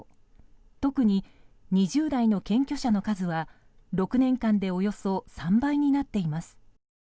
特に２０代の検挙者の数は６年間でおよそ３倍になっています。